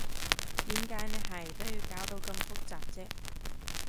點解你係都要搞到咁複雜啫？